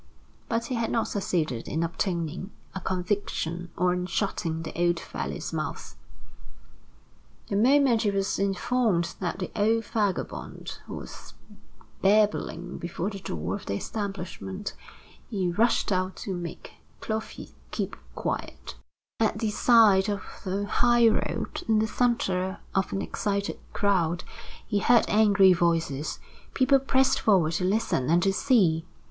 But he had not succeeded in obtaining a conviction or in shutting the old fellow's mouth. The moment he was informed that the old vagabond was babbling before the door of the establishment, he rushed out to make Clovis keep silent. At the side of the highroad, in the center of an excited crowd, he heard angry voices. People pressed forward to listen and to see.